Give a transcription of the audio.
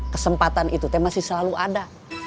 kesempatan itu masih selalu ada